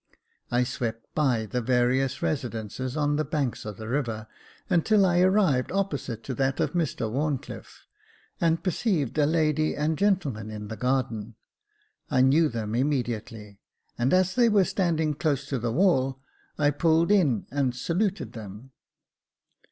I swept by the various residences on the banks of the river, until I arrived opposite to that of Mr WharnclifFe, and perceived a lady and gentleman in the garden. I knew them immediately, and, as they were standing close to the wall, I pulled in and saluted them.